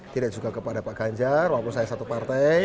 tidak juga kepada pak ganjar walaupun saya satu partai